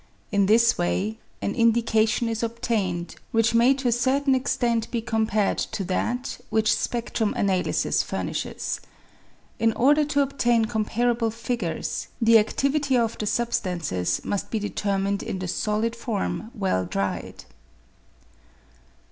In this way, an indication is ob tained, which may to a certain extent be compared to that which spedrum analysis furnishes. In order to obtain comparable figures, the adivity of the substances must be determined in the solid form well dried.